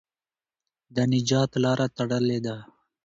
د نجات لاره تړلې ده.